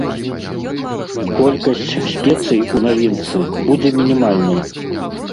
Колькасць спецый у навінцы будзе мінімальнай.